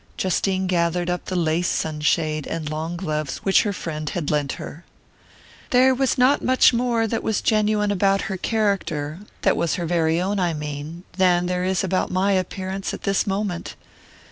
Justine gathered up the lace sunshade and long gloves which her friend had lent her. "There was not much more that was genuine about her character that was her very own, I mean than there is about my appearance at this moment.